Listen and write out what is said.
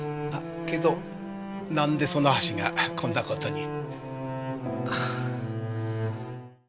けどなんでその箸がこんな事に？